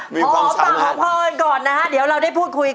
พอปากพอเพินก่อนนะเดี๋ยวเราได้พูดคุยกัน